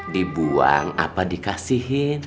dibuang apa dikasihin